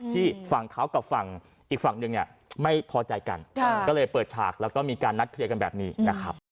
ฝั่งเขากับฝั่งอีกฝั่งหนึ่งเนี่ยไม่พอใจกันก็เลยเปิดฉากแล้วก็มีการนัดเคลียร์กันแบบนี้นะครับ